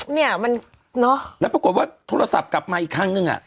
เนี่ยมันเนอะแล้วปรากฏว่าโทรศัพท์กลับมาอีกครั้งนึงอ่ะ